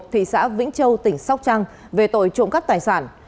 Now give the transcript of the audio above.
thị xã vĩnh châu tỉnh sóc trăng về tội trộm cắp tài sản